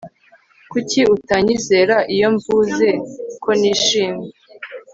Kuki utanyizera iyo mvuze ko nishimye